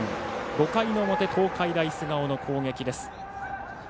５回の表、東海大菅生の攻撃です。